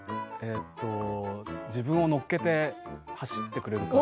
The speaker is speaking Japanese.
自分を乗っけて走ってくれるから。